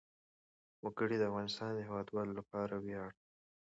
وګړي د افغانستان د هیوادوالو لپاره ویاړ دی.